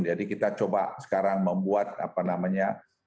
jadi kita coba sekarang membuat apa namanya